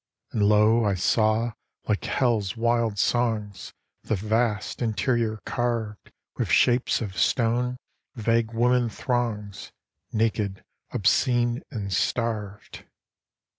And, lo! I saw, like Hell's wild songs, The vast interior carved With shapes of stone, vague woman throngs, Naked, obscene, and starved.